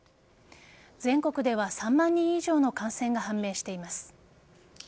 全国では３万人以上の感染が判明しています。